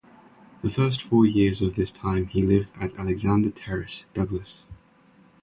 The first four years of this time he lived at Alexander Terrace, Douglas.